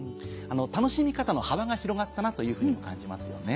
楽しみ方の幅が広がったなというふうにも感じますよね。